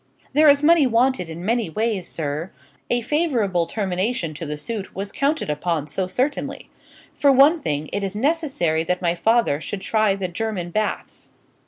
"There is money wanted in many ways, sir; a favourable termination to the suit was counted upon so certainly. For one thing, it is necessary that my father should try the German baths."